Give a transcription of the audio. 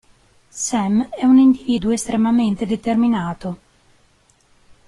Sam è un individuo estremamente determinato.